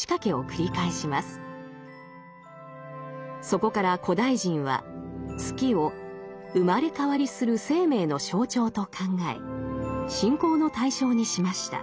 そこから古代人は月を生まれ変わりする生命の象徴と考え信仰の対象にしました。